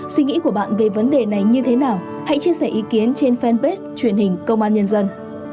suy nghĩ của bạn về vấn đề này như thế nào hãy chia sẻ ý kiến trên fanpage truyền hình công an nhân dân